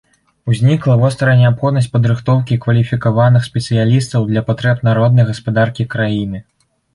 Узнікла вострая неабходнасць падрыхтоўкі кваліфікаваных спецыялістаў для патрэб народнай гаспадаркі краіны.